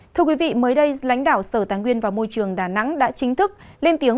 thưa quý vị mới đây lãnh đạo sở tài nguyên và môi trường đà nẵng đã chính thức lên tiếng